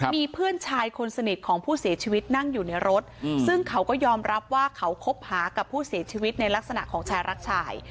มีเพื่อนชายคนสนิทของผู้เสียชีวิตนั่งอยู่ในรถซึ่งเขาก็ยอมรับว่าเขาคบหากับผู้เสียชีวิตในลักษณะของชายรักชาย